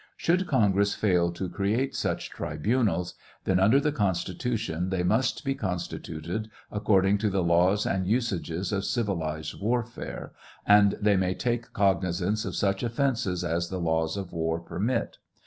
Should Congress fail to create such tribunals, then, under the Constitution, they must be constituted according to the laws and usages of civilized warfare, and they may take cognizance of such offences as the laws of war permit.